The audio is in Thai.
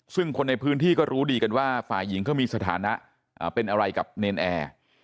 ซึ่งคนในพื้นที่ก็รู้ดีกันว่าฝ่ายหญิงเขามีสถานะเป็นอะไรกับเนรนแอร์